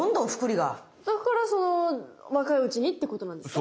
だからその若いうちにっていうことなんですか？